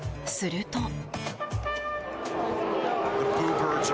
すると。